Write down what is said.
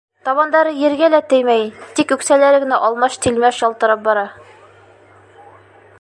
Табандары ергә лә теймәй, тик үксәләре генә алмаш-тилмәш ялтырап бара.